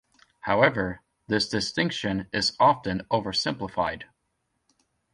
However, this distinction is often oversimplified.